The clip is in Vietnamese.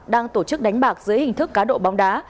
đang tổ chức đánh bạc dưới hình thức cá độ bóng đá